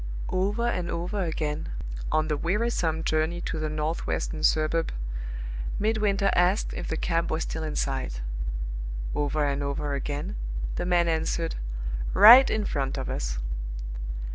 Over and over again, on the wearisome journey to the northwestern suburb, Midwinter asked if the cab was still in sight. Over and over again, the man answered, "Right in front of us."